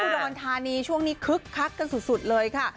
อุดรธานีช่วงนี้คึกคักกันสุดเลยค่ะ